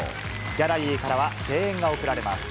ギャラリーからは声援が送られます。